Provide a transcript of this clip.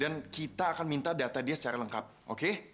dan kita akan minta data dia secara lengkap oke